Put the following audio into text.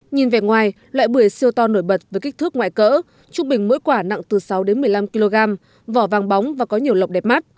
nhìn về ngoài loại bưởi siêu to nổi bật với kích thước ngoại cỡ trung bình mỗi quả nặng từ sáu một mươi năm kg vỏ vàng bóng và có nhiều lọc đẹp mắt